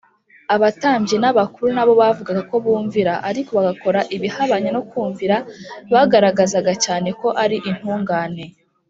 abatambyi n’abakuru na bo bavugaga ko bumvira, ariko bagakora ibihabanye no kumvira bagaragazaga cyane ko ari intungane